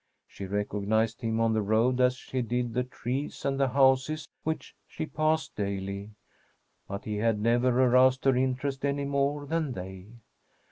She recognized him on the road as she did the trees and the houses which she passed daily, but he had never aroused her interest any more than they.